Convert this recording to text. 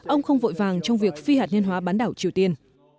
ông không vội vàng trong việc phi hạt nhân hóa bán đảo triều tiên